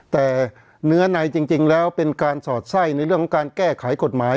แต่เนื้อในจริงแล้วเป็นการสอดไส้ในเรื่องของการแก้ไขกฎหมาย